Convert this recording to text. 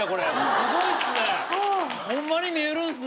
すごいっすね。